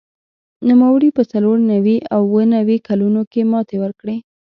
نوموړي په څلور نوي او اووه نوي کلونو کې ماتې ورکړې